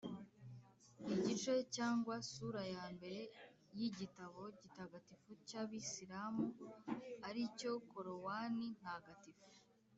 igice cyangwa sura ya mbere y’igitabo gitagatifu cy’abisilamu, ari cyo korowani ntagatifu.